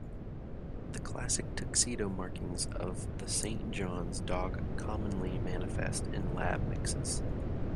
The classic tuxedo markings of the Saint John's dog commonly manifest in Lab mixes.